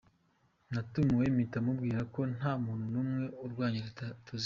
Narumiwe mpita mubwira ko nta muntu n’umwe urwanya leta tuziranye.